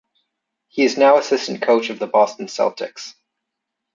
He is now assistant coach of the Boston Celtics.